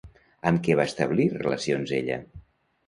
Amb què va establir relacions ella?